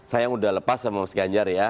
saya yang sudah lepas sama mas ganjar ya